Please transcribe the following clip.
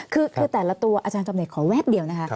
คือแต่ละตัวอาจารย์จำเน็ตขอแวบเดียวนะคะ